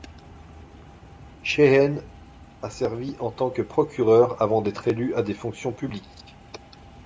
Sheheen a servi en tant que procureur avant d'être élu à des fonctions publiques.